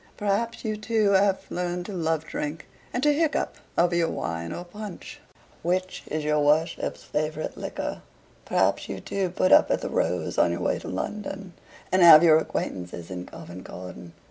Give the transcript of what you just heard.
"Perhaps you too have learned to love drink, and to hiccup over your wine or punch; which is your worship's favorite liquor? Perhaps you too put up at the 'Rose' on your way to London, and have your acquaintances in Covent Garden.